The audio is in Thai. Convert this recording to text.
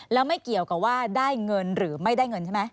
แล้วไม่เกี่ยวกับว่าได้เงินหรือไม่ได้เงินใช่ไหม